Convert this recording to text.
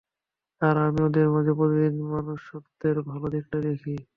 আর আমি ওদের মাঝে প্রতিদিন মনুষ্যত্বের ভালো দিকটা দেখি।